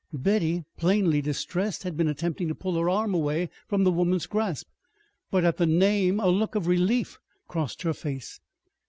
Betty, plainly distressed, had been attempting to pull her arm away from the woman's grasp; but at the name a look of relief crossed her face.